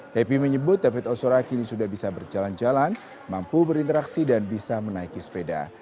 happy menyebut david osora kini sudah bisa berjalan jalan mampu berinteraksi dan bisa menaiki sepeda